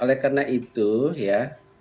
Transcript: oleh karena itu ya